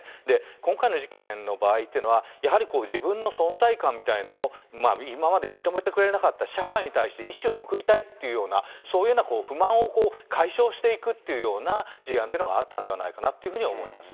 今回の事件の場合っていうのは、やはり自分の存在感みたいのを今まで認めてくれなかった社会に対して一矢を報いたいっていうような、そういうような不満を解消していくっていうような事案というのがあったんでではないかなと思いますね。